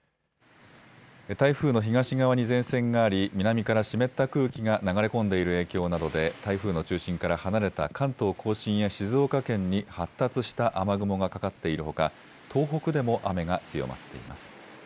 台風の東側に前線があり南から湿った空気が流れ込んでいる影響などで台風の中心から離れた関東甲信や静岡県に発達した雨雲がかかっているほか東北でも雨が強まっています。